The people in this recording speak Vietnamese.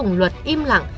chúng dùng luật im lặng